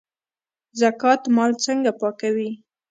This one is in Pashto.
زکات مال څنګه پاکوي؟